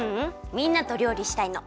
みんなとりょうりしたいの！